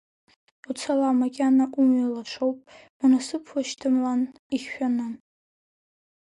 Уцала, макьана умҩа лашоуп, унасыԥуашьҭамлан ихьшәаны.